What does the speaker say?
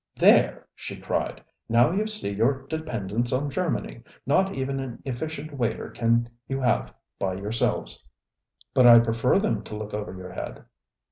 ŌĆØ ŌĆ£There, ŌĆØ she cried, ŌĆ£now you see your dependence on Germany. Not even an efficient waiter can you have by yourselves. ŌĆØ ŌĆ£But I prefer them to look over your head.